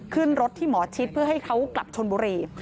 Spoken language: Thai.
ขึ้นรถที่หมอชิดเพื่อให้เขากลับชนบุรี